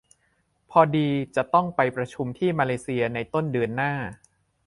พอดีจะต้องไปประชุมที่มาเลเซียในต้นเดือนหน้า